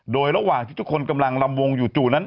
โดยระหว่างที่ทุกคนกำลังลำวงอยู่จู่นั้น